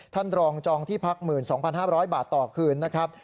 ท่านรองจองที่พัก๑๒๕๐๐บาทต่อคืนนะครับ